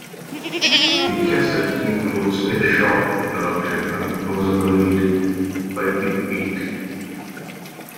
The cassette includes a short introduction and closing read by Big Pete.